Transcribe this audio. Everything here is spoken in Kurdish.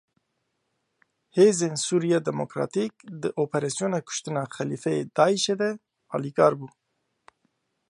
Hêzên Sûriya Demokratîk di operasyona kuştina Xelîfeyê daişê de alîkar bû.